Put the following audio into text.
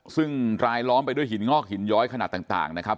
ซึ่งรายล้อมไปด้วยหินงอกหินย้อยขนาดต่างนะครับ